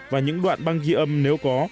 và những đoạn băng ghi âm nếu có